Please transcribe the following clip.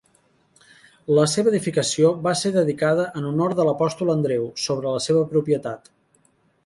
La seva edificació va ser dedicada en honor de l'apòstol Andreu, sobre la seva propietat.